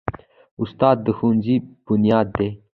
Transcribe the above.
استاد د ښوونځي بنیاد دی.